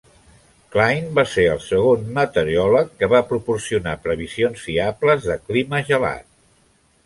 Cline va ser el segon meteoròleg que va proporcionar previsions fiables de clima gelat.